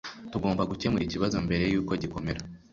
tugomba gukemura ikibazo mbere yuko gikomera